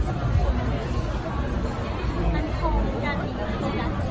อยากปรายกินอะไรคือคำสาธารณ์ของคุณ